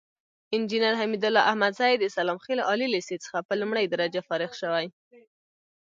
انجينر حميدالله احمدزى د سلام خيلو عالي ليسې څخه په لومړۍ درجه فارغ شوى.